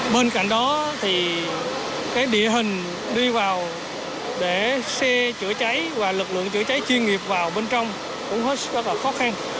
bên cạnh đó thì cái địa hình đi vào để xe chữa cháy và lực lượng chữa cháy chuyên nghiệp vào bên trong cũng hết sức rất là khó khăn